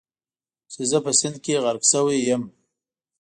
چې زه په سیند کې غرق شوی یم.